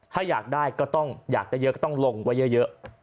ถ้าอยากได้ก็ต้องอยากได้เยอะก็ต้องลงไว้เยอะ